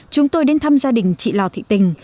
chúng tôi đến thăm gia đình chị lò thị tình